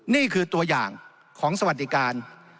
นี่คือตัวอย่างของสวัสดิการ